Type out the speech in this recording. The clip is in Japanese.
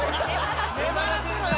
粘らせろよ